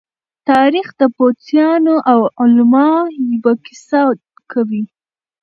تاریخ د پوځيانو او علماءو کيسه کوي.